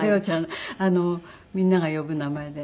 みんなが呼ぶ名前で。